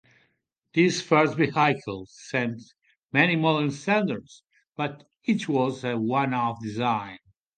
These first vehicles set many modern standards, but each was a one-off design.